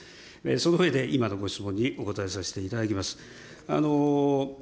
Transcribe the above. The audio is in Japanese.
その上で、今のご質問にお答えさせていただきます。